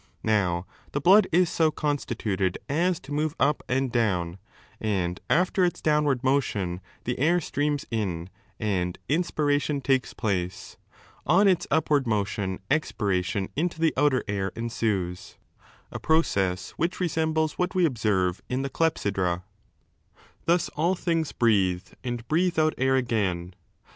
Now, the blood is so constituted as to move up and down, and after its downward motion the air streams in and inspiration takes place ; on its upward motion expiration into the outer air ensues — a process which resembles what we observe in the Clepsydra :^ 5 Thus all things breathe and breathe out air again.